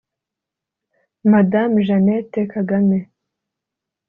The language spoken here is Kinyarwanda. Madame Jeannette Kagame